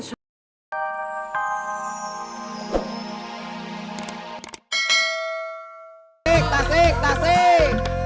tasik tasik tasik